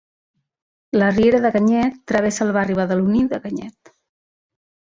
La riera de Canyet travessa el barri badaloní de Canyet.